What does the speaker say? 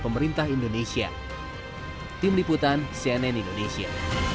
pemerintah indonesia tim liputan cnn indonesia